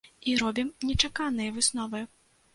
І робім нечаканыя высновы!